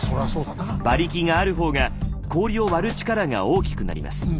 馬力がある方が氷を割る力が大きくなります。